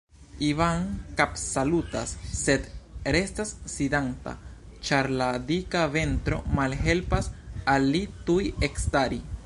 Ivan kapsalutas, sed restas sidanta, ĉar la dika ventro malhelpas al li tuj ekstari.